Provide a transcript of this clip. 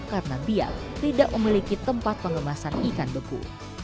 karena biak tidak memiliki tempat pengemasan ikan beku